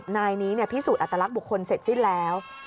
นายนี้พิสูจนอัตลักษณ์บุคคลเสร็จสิ้นแล้ว